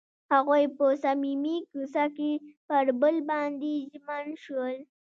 هغوی په صمیمي کوڅه کې پر بل باندې ژمن شول.